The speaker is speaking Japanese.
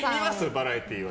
バラエティーは。